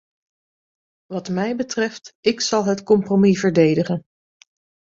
Wat mij betreft, ik zal het compromis verdedigen.